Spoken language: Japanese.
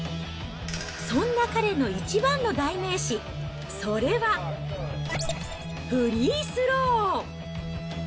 そんな彼の一番の代名詞、それはフリースロー。